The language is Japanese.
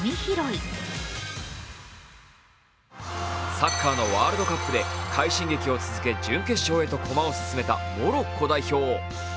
サッカーのワールドカップで快進撃を続け準決勝へと駒を進めたモロッコ代表。